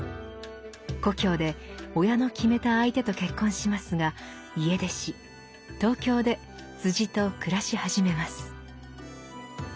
故郷で親の決めた相手と結婚しますが家出し東京でと暮らし始めます。